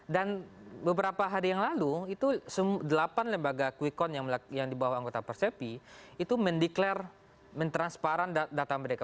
dan beberapa hari yang lalu itu delapan lembaga quickon yang dibawa anggota persepi itu mendeklarasi mentransparan data mereka